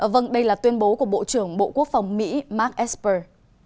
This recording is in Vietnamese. vâng đây là tuyên bố của bộ trưởng bộ quốc phòng mỹ mark esper